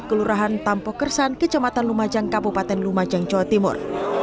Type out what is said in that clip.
kelurahan tampokersan kecamatan lumajang kabupaten lumajang jawa timur